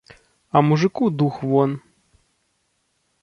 А мужыку дух вон.